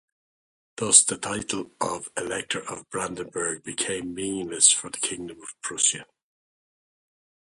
Thus the title of Elector of Brandenburg became meaningless for the Kingdom of Prussia.